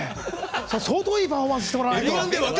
相当いいパフォーマンスしてもらわないと。